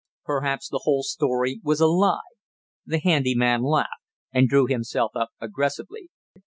"Perhaps the whole story was a lie." The handy man laughed and drew himself up aggressively.